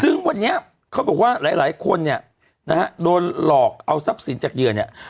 ซึ่งวันนี้เขาบอกว่าหลายคนเนี่ยนะฮะโดนหลอกเอาทรัพย์สินจากเหยื่อเนี่ย